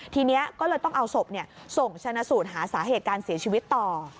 ทีนี้ก็เลยต้องเอาศพส่งชนะสูตรหาสาเหตุการเสียชีวิตต่อ